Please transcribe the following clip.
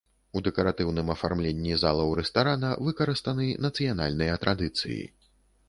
У дэкаратыўным афармленні залаў рэстарана выкарыстаны нацыянальныя традыцыі.